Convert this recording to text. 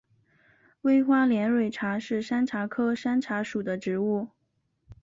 微花连蕊茶是山茶科山茶属的植物。